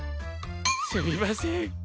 すみません。